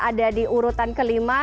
ada di urutan kelima